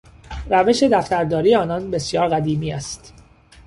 روش دفترداری آنان بسیار قدیمی است.